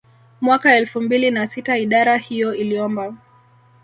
Mwaka elfu mbili na sita idara hiyo iliomba